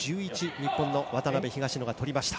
日本の渡辺、東野が取りました。